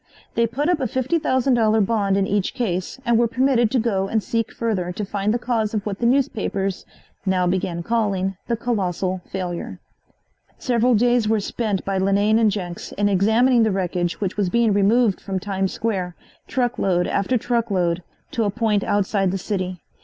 They put up a $50,000 bond in each case and were permitted to go and seek further to find the cause of what the newspapers now began calling the "Colossal Failure." Several days were spent by Linane and Jenks in examining the wreckage which was being removed from Times Square, truckload after truckload, to a point outside the city.